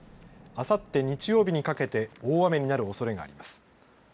あさって日曜日にかけて大雨になるおそれがあります。